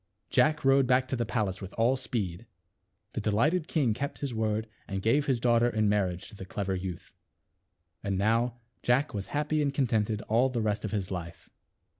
Jack rowed back to the palace with all speed. The delighted king kept his word and gave his daughter in marriage to the clever youth. And now Jack was happy and contented all the rest of his life.